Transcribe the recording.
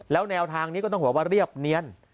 แล้วแนวทางนี้ก็ต้องบอกว่าเรียบเนียน